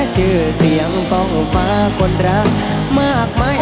ชื่อเสียงท่องฟ้าคนรักมากไหม